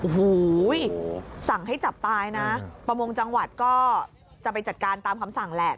โอ้โหสั่งให้จับตายนะประมงจังหวัดก็จะไปจัดการตามคำสั่งแหละ